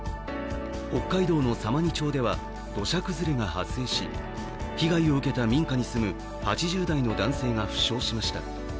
北海道の様似町では土砂崩れが発生し、被害を受けた民家に住む８０代の男性が負傷しました。